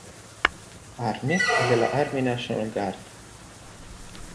Army e della Army National Guard.